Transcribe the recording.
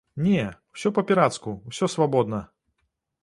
Не, усё па-пірацку, усё свабодна.